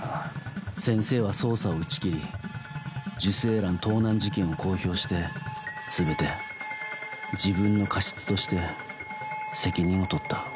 先生は捜査を打ち切り受精卵盗難事件を公表して全て自分の過失として責任を取った。